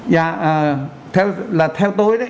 dạ là theo tôi đấy